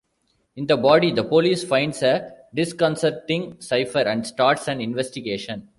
In the body, the police finds a disconcerting cipher and starts an investigation.